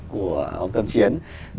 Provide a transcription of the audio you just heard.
của ông tâm chiến